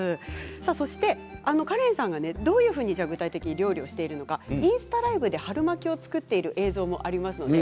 そしてカレンさんがどういうふうに具体的に料理をしているのかインスタライブで春巻きを作っている映像があります。